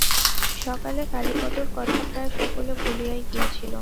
সকালে কালীপদর কথা প্রায় সকলে ভুলিয়াই গিয়াছিল।